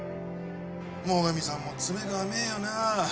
最上さんも詰めが甘えよなぁ。